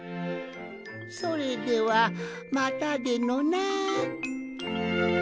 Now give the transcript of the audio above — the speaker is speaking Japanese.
それではまたでのな。